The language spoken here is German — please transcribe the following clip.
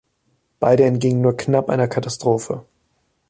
Beide entgingen nur knapp einer Katastrophe.